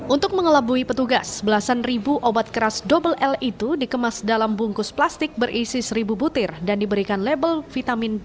untuk mengelabui petugas belasan ribu obat keras double l itu dikemas dalam bungkus plastik berisi seribu butir dan diberikan label vitamin b